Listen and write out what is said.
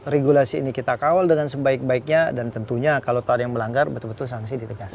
regulasi ini kita kawal dengan sebaik baiknya dan tentunya kalau tahu ada yang melanggar betul betul sanksi ditegaskan